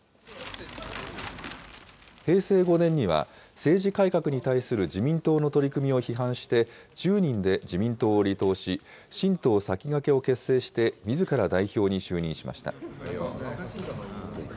平成５年には、政治改革に対する自民党の取り組みを批判して、１０人で自民党を離党し、新党さきがけを結成して、みずから代表に就任しました。